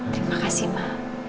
terima kasih ma